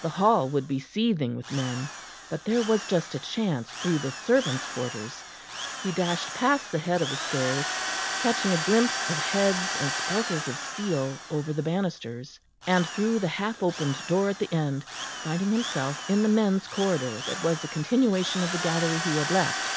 The hall would be seething with men. But there was just a chance through the servants' quarters. He dashed past the head of the stairs, catching a glimpse of heads and sparkles of steel over the banisters, and through the half opened door at the end, finding himself in the men's corridor that was a continuation of the gallery he had left.